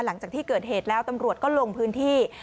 หลังจากที่เกิดเหตุแล้วตำรวจก็ลงพื้นที่